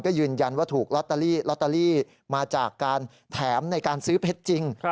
ก็ยืนยันว่าถูกลอตเตอรี่ลอตเตอรี่มาจากการแถมในการซื้อเพชรจริง